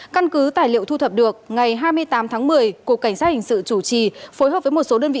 căn cứ tài liệu thu thập được ngày hai mươi tám tháng một mươi cục cảnh sát hình sự chủ trì phối hợp với một số đơn vị